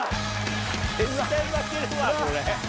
絶対負けるわこれ。